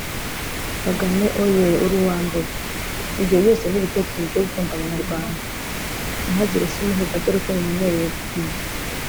Kagame oyee uri uwambere ibyo byose nibitekerezo byo gukunda abanyarwanda nahagire se umuhiga dore ko mumenyereye gupinga